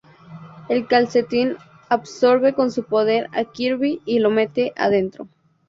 El calcetín absorbe con su poder a Kirby y lo mete adentro.